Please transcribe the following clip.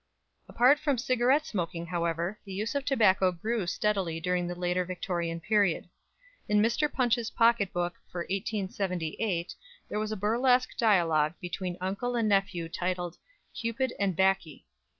Apart from cigarette smoking, however, the use of tobacco grew steadily during the later Victorian period. In "Mr. Punch's Pocket Book" for 1878 there was a burlesque dialogue between uncle and nephew entitled "Cupid and 'Baccy."